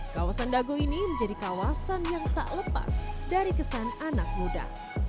kawasan dago ini menjadi kawasan yang tak lepas dari kesan anak muda